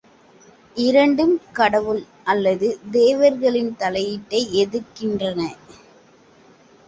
இரண்டும் கடவுள் அல்லது தேவர்களின் தலையீட்டை எதிர்க்கின்றன.